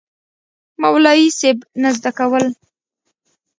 مولوي صېب نه زده کول